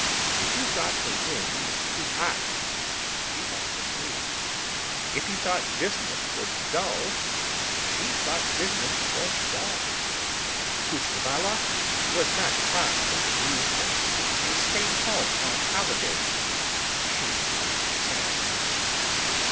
If he thought the room was too hot, she thought so too. If he thought business was dull, she thought business was dull. Pustovalov was not fond of amusements and stayed home on holidays; she did the same.